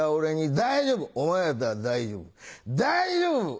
大丈夫！